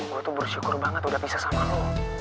aku tuh bersyukur banget udah bisa sama lo